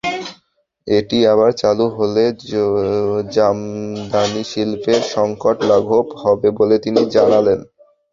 এটি আবার চালু হলে জামদানিশিল্পের সংকট লাঘব হবে বলে তিনি জানালেন।